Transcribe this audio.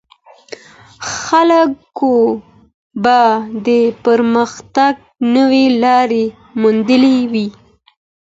خلګو به د پرمختګ نوې لارې موندلې وي.